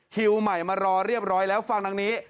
คิวใหม่มารอเรียบร้อยแล้วฟังดังนี้